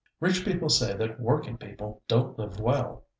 Rich people say that working people don't live well.